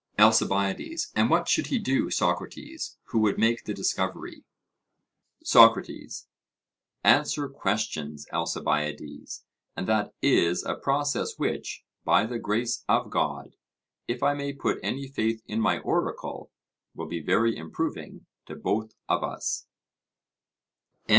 ALCIBIADES: And what should he do, Socrates, who would make the discovery? SOCRATES: Answer questions, Alcibiades; and that is a process which, by the grace of God, if I may put any faith in my oracle, will be very improving to both of us.